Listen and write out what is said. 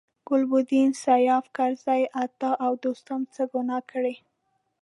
ګلبدین، سیاف، کرزي، عطا او دوستم څه ګناه کړې.